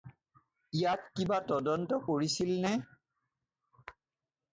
ইয়াত কিবা তদন্ত কৰিছিলনে?